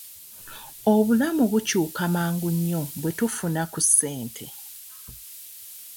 Obulamu bukyuka mangu nnyo bwe tufuna ku ssente.